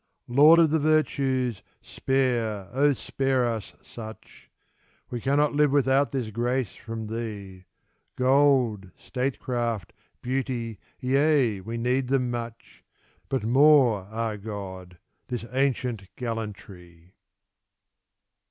Lord of the virtues, spare, spare us such ! We cannot live without this grace from thee ; Gold, statecraft, beauty — ^yea, we need them much, But more — ^ah, God! — ^this ancient gallantry!